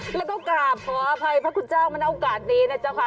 แล้วก็กราบขออภัยพระคุณเจ้ามาในโอกาสนี้นะเจ้าค่ะ